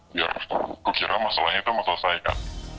biar kukira masalahnya itu matahus saya